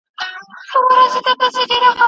خدیجې د چایو یوه پیاله د ځان لپاره ډکه کړه.